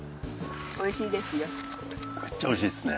おいしいですよ。